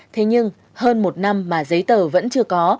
thế nhưng hơn một năm mà giấy tờ vẫn chưa có